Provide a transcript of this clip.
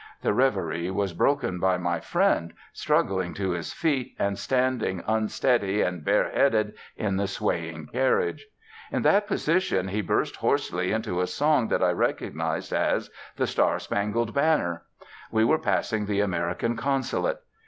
The reverie was broken by my friend struggling to his feet and standing, unsteady and bareheaded, in the swaying carriage. In that position he burst hoarsely into a song that I recognised as 'The Star Spangled Banner.' We were passing the American Consulate.